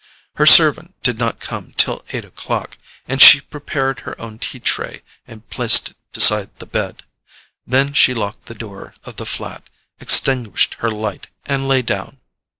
Her servant did not come till eight o'clock, and she prepared her own tea tray and placed it beside the bed. Then she locked the door of the flat, extinguished her light and lay down.